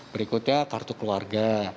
berikutnya kartu keluarga